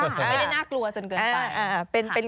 ไม่ได้น่ากลัวจนเกินไป